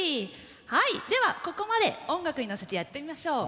はいではここまで音楽に乗せてやってみましょう。